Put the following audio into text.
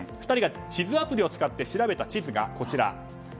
２人が地図アプリを使って調べた地図がこちら。